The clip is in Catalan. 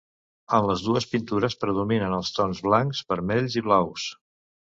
En les dues pintures predominen els tons blancs, vermells i blaus.